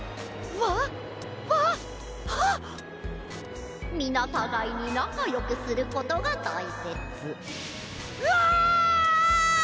わあっ！かいそうみなたがいになかよくすることがたいせつ。わ！